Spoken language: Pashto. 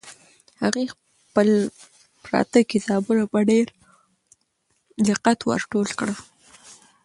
هغې خپل پراته کتابونه په ډېر دقت ور ټول کړل.